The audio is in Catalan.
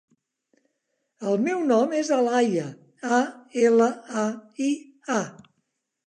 El meu nom és Alaia: a, ela, a, i, a.